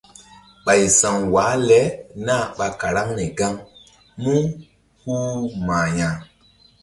Ɓay sa̧w wah le nah ɓa karaŋri gaŋ mú huh mah ya̧.